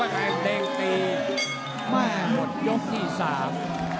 ประกาศเท้ามีบาป